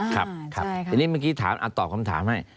ครับทีนี้เมื่อกี้ถามตอบคำถามให้